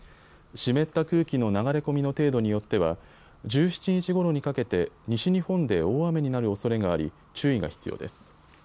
湿った空気の流れ込みの程度によっては１７日ごろにかけて西日本で大雨になるおそれがあり注意が必要です。